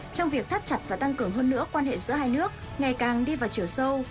trong việc thắt chặt và tăng cường hơn nữa quan hệ giữa hai nước ngày càng đi vào chiều sâu